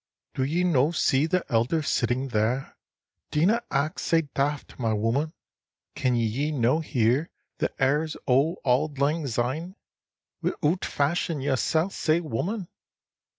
"Do ye no see the elder sitting there? Dinna act sae daft, my wooman. Can ye no hear the airs o' auld lang syne Wi'oot fashin' yersel' sae, wooman?"